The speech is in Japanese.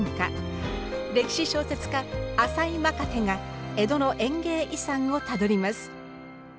歴史小説家朝井まかてが江戸の園芸遺産をたどります。